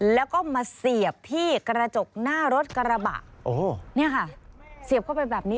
แล้วก็มาเสียบที่กระจกหน้ารถกระบะโอ้โหเนี่ยค่ะเสียบเข้าไปแบบนี้